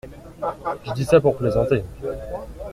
Je dis ça pour plaisanter…